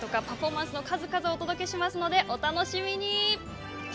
パフォーマンスの数々をお届けしますのでお楽しみに。